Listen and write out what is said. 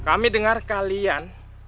kami dengar kalian